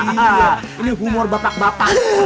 ini humor bapak bapak